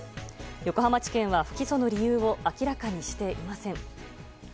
横浜地検は不起訴の理由を明らかにしていません。